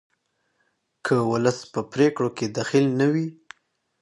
که ولس په پریکړو کې دخیل نه وي